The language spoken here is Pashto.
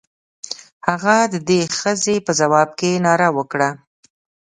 هغه د دې ښځې په ځواب کې ناره وکړه.